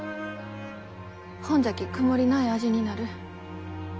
ほんじゃき曇りない味になる。